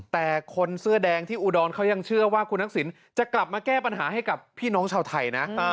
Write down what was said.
แต่คนเสื้อแดงที่อุดรเขายังเชื่อว่าคุณทักษิณจะกลับมาแก้ปัญหาให้กับพี่น้องชาวไทยนะ